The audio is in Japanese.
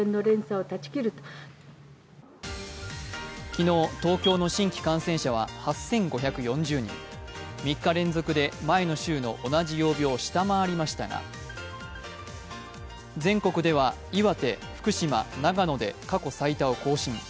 昨日、東京の新規感染者は８５４０人３日連続で前の週の同じ曜日を下回りましたが全国では岩手、福島、長野で過去最多を更新。